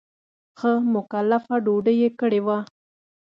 ښه مکلفه ډوډۍ یې کړې وه.